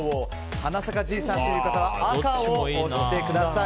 「はなさかじいさん」という方は赤を押してください。